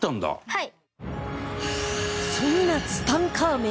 はい。